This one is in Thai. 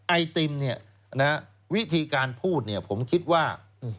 ไอติมวิธีการพูดผมคิดว่า